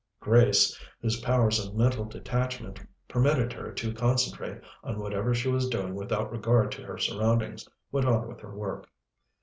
Grace, whose powers of mental detachment permitted her to concentrate on whatever she was doing without regard to her surroundings, went on with her work.